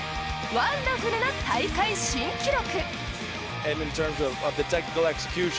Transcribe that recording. ワンダフルな大会新記録！